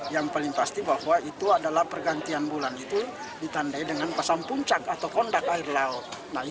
yang paling pasti bahwa itu adalah pergantian bulan itu ditandai dengan pasang puncak atau kondak air laut